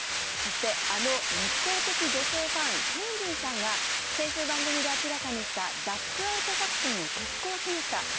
そして、あの熱狂的女性ファンケイリーさんが先週、番組で明らかにしたダッグアウト作戦を決行しました。